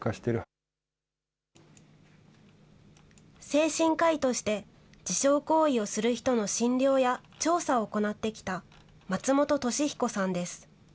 精神科医として自傷行為をする人の診療や調査を行ってきた松本俊彦さんです。